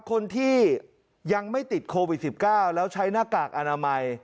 คนที่ยังไม่ติดโควิด๑๙แล้วใช้หน้ากากอนามัย